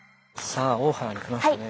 さあ大原に来ましたね。